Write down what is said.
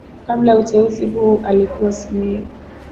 Kabla ya uteuzi huu alikuwa Simiyu